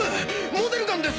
モデルガンです。